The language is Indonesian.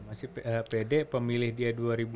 masih pede pemilih dia dua ribu sembilan belas